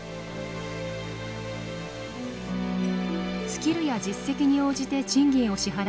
スキルや実績に応じて賃金を支払う成果